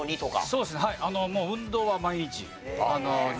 そうですねはい。